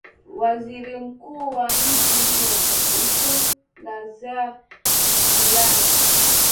waziri mkuu wa nchi hiyo yusuf lazar gilani